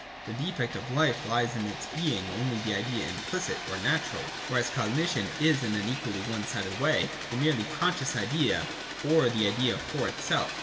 The defect of life lies in its being only the idea implicit or natural : whereas cognition is in an equally one sided ■way the merely conscious idea, or the idea for itself.